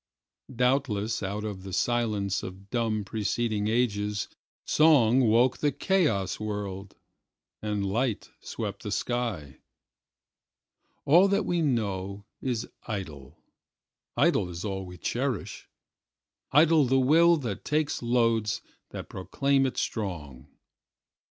Doubtless out of the silence of dumb preceding agesSong woke the chaos world—and light swept the sky. All that we know is idle; idle is all we cherish; Idle the will that takes loads that proclaim it strong.